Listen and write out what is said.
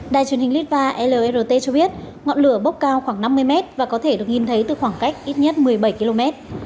đài truyền hình litva lrt cho biết ngọn lửa bốc cao khoảng năm mươi mét và có thể được nhìn thấy từ khoảng cách ít nhất một mươi bảy km